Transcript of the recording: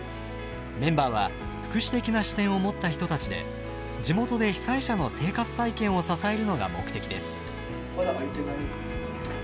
メンバーは福祉的な視点を持った人たちで地元で被災者の生活再建を支えるのが目的です。